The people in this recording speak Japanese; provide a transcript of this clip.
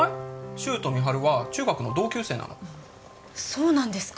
柊と美晴は中学の同級生なのそうなんですか